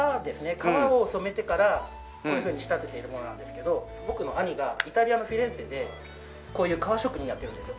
革を染めてからこういうふうに仕立てているものなんですけど僕の兄がイタリアのフィレンツェでこういう革職人やってるんですよ。